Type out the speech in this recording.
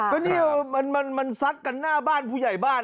ก็เนี่ยมันซัดกันหน้าบ้านผู้ใหญ่บ้าน